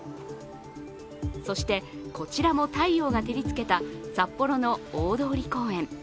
そして、こちらも太陽が照りつけた札幌の大通公園。